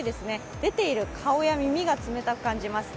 出ている顔や耳が冷たく感じます。